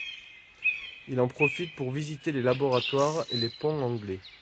Il en profite pour visiter les laboratoire et les ponts anglais.